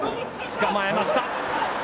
つかまえました。